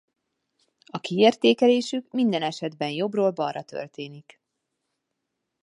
A kiértékelésük minden esetben jobbról balra történik.